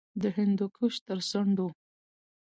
د هندوکش تر څنډو